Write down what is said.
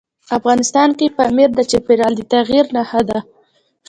افغانستان کې پامیر د چاپېریال د تغیر نښه ده.